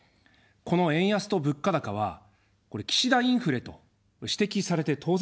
この円安と物価高は、岸田インフレと指摘されて当然だと思います。